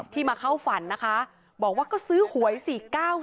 มาเข้าฝันนะคะบอกว่าก็ซื้อหวย๔๙๕